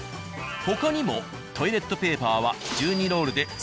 他にもトイレットペーパーは１２ロールで。